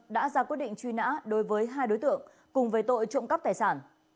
đã ra quyết định truy nã đối với hai đối tượng cùng về tội trộm cắp tài sản